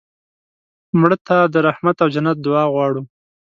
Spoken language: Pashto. مړه ته د رحمت او جنت دعا غواړو